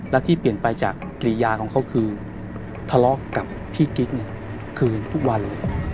และที่เปลี่ยนไปจากกรียาของเขาคือทะเลาะกับพี่กิ๊กเนี่ยคือทุกวันเลย